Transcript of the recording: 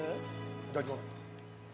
いただきます